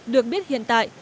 được biết hiện tại